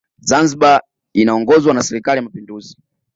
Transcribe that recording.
zanzibar inaongozwa na serikali ya mapinduzi